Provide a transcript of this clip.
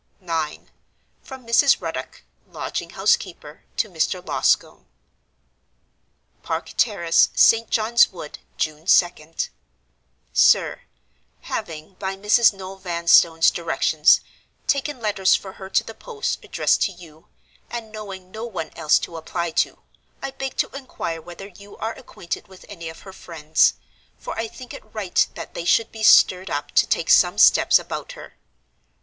IX. From Mrs. Ruddock (Lodging house Keeper) to Mr. Loscombe. "Park Terrace, St. John's Wood, "June 2d. "SIR, "Having, by Mrs. Noel Vanstone's directions, taken letters for her to the post, addressed to you—and knowing no one else to apply to—I beg to inquire whether you are acquainted with any of her friends; for I think it right that they should be stirred up to take some steps about her.